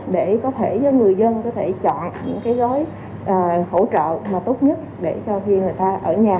để có thể cho người dân có thể chọn những cái gói hỗ trợ tốt nhất để cho viên người ta ở nhà